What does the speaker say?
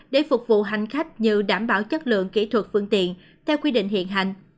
để phục vụ hành khách như đảm bảo chất lượng kỹ thuật phương tiện theo quy định hiện hành